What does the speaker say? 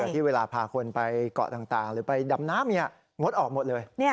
ที่เวลาพาคนไปเกาะต่างหรือไปดำน้ำงดออกหมดเลย